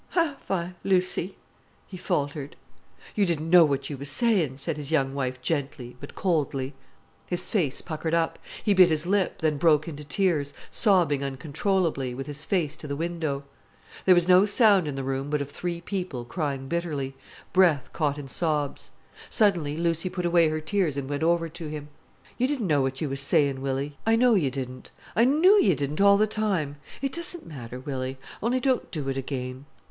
'" "Have I, Lucy?" he faltered. "You didn't know what you was saying," said his young wife gently but coldly. His face puckered up. He bit his lip, then broke into tears, sobbing uncontrollably, with his face to the window. There was no sound in the room but of three people crying bitterly, breath caught in sobs. Suddenly Lucy put away her tears and went over to him. "You didn't know what you was sayin', Willy, I know you didn't. I knew you didn't, all the time. It doesn't matter, Willy. Only don't do it again."